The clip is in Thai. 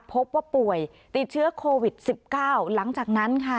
พบว่าป่วยติดเชื้อโควิด๑๙หลังจากนั้นค่ะ